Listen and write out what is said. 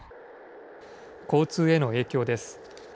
交通への影響です。